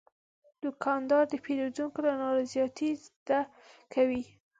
دوکاندار د پیرودونکو له نارضایتۍ زده کوي.